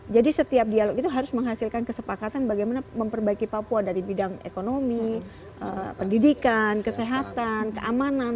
jadi setiap dialog itu harus menghasilkan kesepakatan bagaimana memperbaiki papua dari bidang ekonomi pendidikan kesehatan keamanan